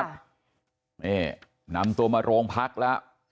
นี่นำตัวมาโรงพักแล้ว